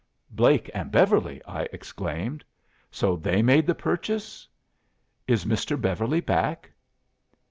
"'Blake and Beverly!' I exclaimed 'So they made the purchase. It Mr. Beverly back?